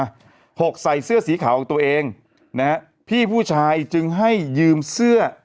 หกใส่เสื้อสีขาวของตัวเองนะฮะพี่ผู้ชายจึงให้ยืมเสื้อ